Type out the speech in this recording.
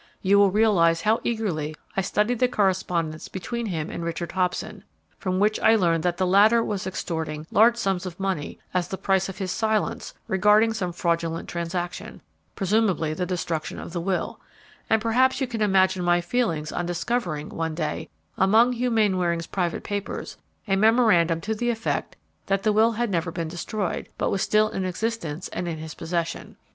You will realize how eagerly I studied the correspondence between him and Richard Hobson, from which I learned that the latter was extorting large sums of money as the price of his silence regarding some fraudulent transaction, presumably the destruction of the will; and perhaps you can imagine my feelings on discovering, one day, among Hugh Mainwaring's private papers, a memorandum to the effect that the will had never been destroyed, but was still in existence and in his possession.